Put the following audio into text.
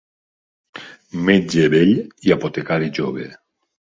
Metge vell i apotecari jove.